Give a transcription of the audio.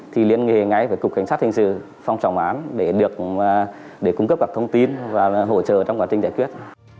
thì liên hệ ngay với cục cảnh sát hệ sự phòng trọng án để cung cấp các thông tin và hỗ trợ trong quá trình giải quyết